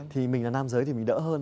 thì mình là nam giới thì mình đỡ hơn